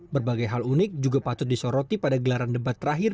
berbagai hal unik juga patut disoroti pada gelaran debat terakhir